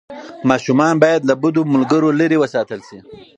ماشومان باید له بدو ملګرو لرې وساتل شي.